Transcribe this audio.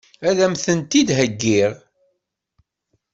Ad m-ten-id-heggiɣ?